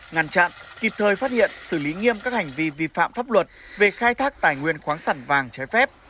ngăn chặn kịp thời phát hiện xử lý nghiêm các hành vi vi phạm pháp luật về khai thác tài nguyên khoáng sản vàng trái phép